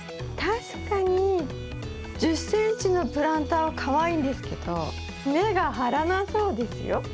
確かに１０ｃｍのプランターはかわいいんですけど根が張らなそうですよ。